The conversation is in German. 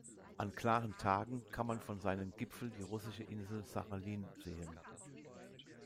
An klaren Tagen kann man von seinem Gipfel die russische Insel Sachalin sehen.